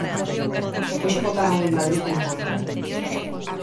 Hoxe votaron en Madrid en contra.